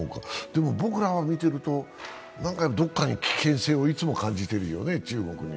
でも、僕らが見ていると、どこかに危険性をいつも感じているよね、中国に。